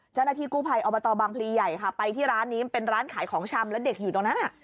เจ้าหน้าที่กู้ภัยอบตบางพลีใหญ่ค่ะไปที่ร้านนี้เป็นร้านขายของชำแล้วเด็กอยู่ตรงนั้น